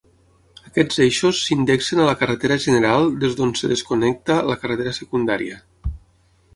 Aquests eixos s'indexen a la carretera general des d'on es desconnecta la carretera secundària.